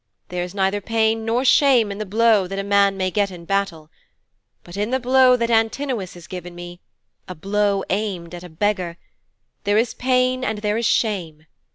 There is neither pain nor shame in the blow that a man may get in battle. But in the blow that Antinous has given me a blow aimed at a beggar there is pain and there is shame.